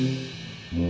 silakan pak komar